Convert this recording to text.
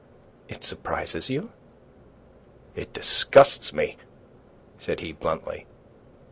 "It surprises you?" "It disgusts me," said he, bluntly.